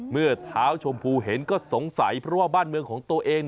เมื่อเท้าชมพูเห็นก็สงสัยเพราะว่าบ้านเมืองของตัวเอง